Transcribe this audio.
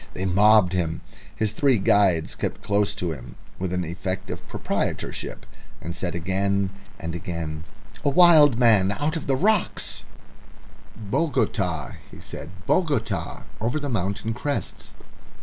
They mobbed him. His three guides kept close to him with an effect of proprietorship, and said again and again, "A wild man out of the rock." "Bogota," he said. "Bogota. Over the mountain crests."